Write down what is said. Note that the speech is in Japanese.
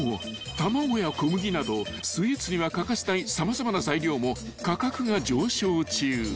卵や小麦などスイーツには欠かせない様々な材料も価格が上昇中］